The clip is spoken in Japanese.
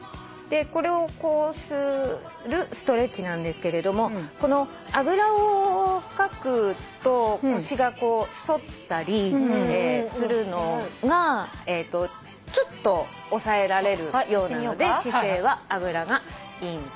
これをこうするストレッチなんですけれどもこのあぐらをかくと腰がこう反ったりするのがちょっと抑えられるようなので姿勢はあぐらがいいみたいです。